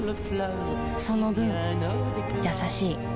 その分優しい